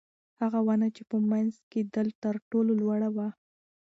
هغه ونه چې په منځ کې ده تر ټولو لوړه ده.